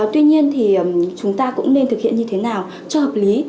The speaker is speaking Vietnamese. tuy nhiên thì chúng ta cũng nên thực hiện như thế nào cho hợp lý